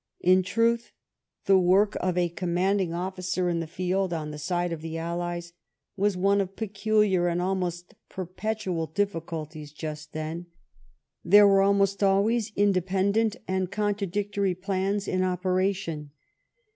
In truth, the work of a commanding 255 ( THE REIGN OF QUEEN ANNE officer in the field on the side of the allies was one of peculiar and almost perpetual difficulties just then. There were almost always independent and contra dictory plans in operation.